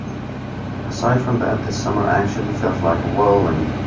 Aside from that, this summer actually felt like a whirlwind.